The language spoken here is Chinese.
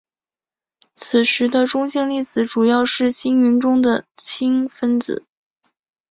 此时的中性粒子主要是星云中的氢分子。